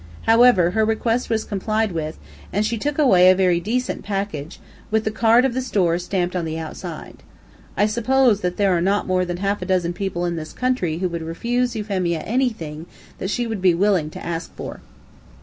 However, her request was complied with, and she took away a very decent package, with the card of the store stamped on the outside. I suppose that there are not more than half a dozen people in this country who would refuse Euphemia anything that she would be willing to ask for.